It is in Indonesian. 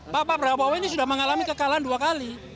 bapak prabowo ini sudah mengalami kekalahan dua kali